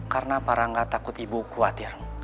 karena pak rangga takut ibu khawatir